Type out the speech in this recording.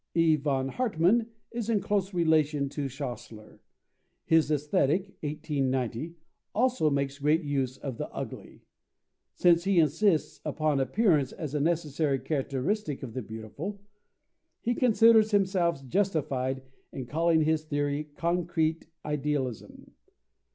E. von Hartmann is in close relation with Schasler. His Aesthetic (1890) also makes great use of the Ugly. Since he insists upon appearance as a necessary characteristic of the beautiful, he considers himself justified in calling his theory concrete idealism.